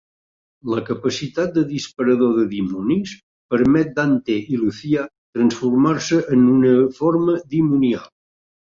La capacitat de disparador de dimonis permet Dante i Lucia transformar-se en una forma dimonial.